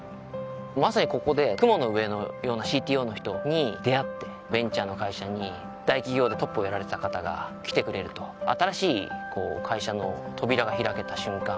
まさにここで雲の上のようなＣＴＯの人に出会ってベンチャーの会社に大企業でトップをやられてた方が来てくれると新しい会社の扉が開けた瞬間